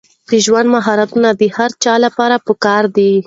د ژوند مهارتونه د هر چا لپاره پکار دي.